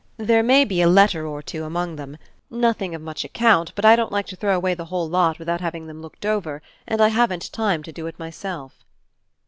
There may be a letter or two among them nothing of much account, but I don't like to throw away the whole lot without having them looked over and I haven't time to do it myself."